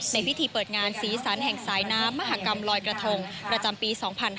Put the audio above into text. ในพิธีเปิดงานสีสันแห่งสายน้ำมหากรรมลอยกระทงประจำปี๒๕๕๙